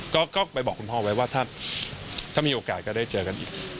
ก็ไปบอกคุณพ่อไว้ว่าถ้ามีโอกาสก็ได้เจอกันอีก